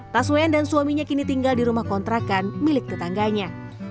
taswen dan suaminya kini tinggal di rumah kontrakan milik tetangganya